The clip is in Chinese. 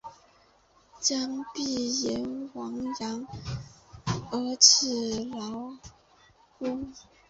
将必俟亡羊而始补牢乎！